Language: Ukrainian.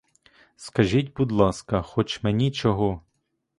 Скажіть, будь ласка, хоч мені чого?